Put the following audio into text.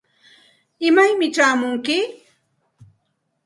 ¿imaymi chayamunki?